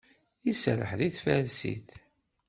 Iserreḥ deg tfarsit.